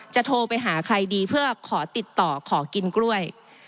โทรไปหาใครดีเพื่อขอติดต่อขอกินกล้วย